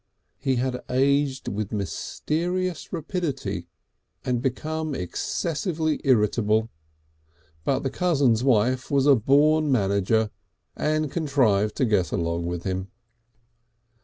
He had aged with mysterious rapidity and become excessively irritable, but the cousin's wife was a born manager, and contrived to get along with him.